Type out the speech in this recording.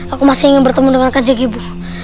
aku masih ingin bertemu dengan reka ibu